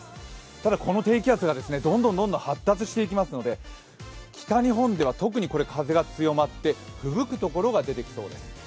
ただこの低気圧がどんどん発達していきますので北日本では特に風が強まってふぶく所が出てきそうです。